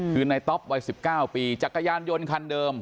คือในต๊อปวัย๑๙ปีจักรยานยนต์คันเดิม